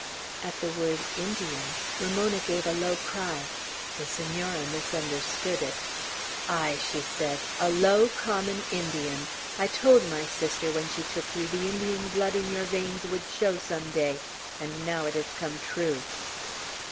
At the word "Indian," Ramona gave a low cry. The Senora misunderstood it. "Ay," she said, "a low, common Indian. I told my sister, when she took you, the Indian blood in your veins would show some day; and now it has come true."